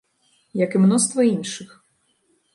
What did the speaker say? Як і мноства іншых.